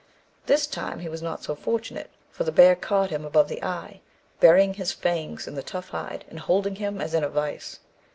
This time he was not so fortunate, for the bear caught him above the eye, burying his fangs in the tough hide, and holding him as in a vice.